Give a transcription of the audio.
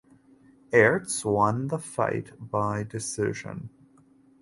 Aerts won the fight by decision.